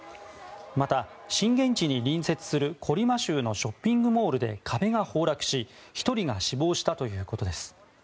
また震源地に隣接するコリマ州のショッピングモールで壁が崩落し１人が死亡したということです。